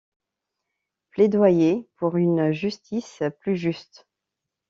Plaidoyer pour une Justice plus juste’.